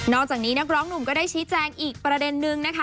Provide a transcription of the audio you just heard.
อกจากนี้นักร้องหนุ่มก็ได้ชี้แจงอีกประเด็นนึงนะคะ